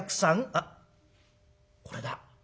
あっこれだ。